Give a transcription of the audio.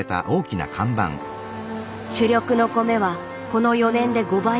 主力の米はこの４年で５倍の売り上げ。